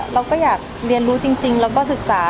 เราก็อยากเรียนรู้จริงแล้วก็ศึกษา